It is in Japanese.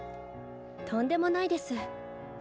とんでもないです。